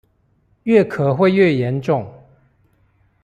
越咳會越嚴重